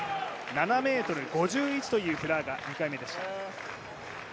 ７ｍ５１というフラーガ、２回目でした。